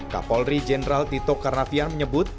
kapolri jenderal tito karnavian menyebut